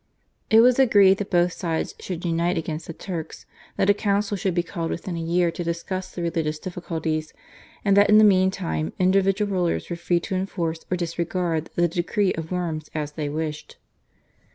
It was agreed that both sides should unite against the Turks, that a Council should be called within a year to discuss the religious difficulties, and that in the meantime individual rulers were free to enforce or disregard the decree of Worms as they wished.